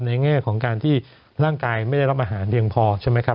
แง่ของการที่ร่างกายไม่ได้รับอาหารเพียงพอใช่ไหมครับ